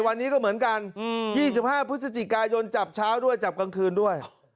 วันนี้ก็เหมือนกัน๒๕พฤศจิกายนจับเช้าด้วยจับกลางคืนด้วย